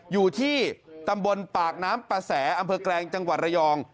อยู่ที่ตำบลปากน้ำประแสอำเภอแกลงจังหวัดระยอง